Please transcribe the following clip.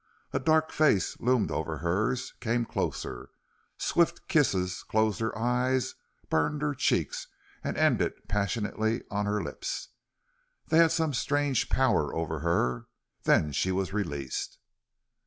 A dark face loomed over hers came closer. Swift kisses closed her eyes, burned her cheeks, and ended passionately on her lips. They had some strange power over her. Then she was released.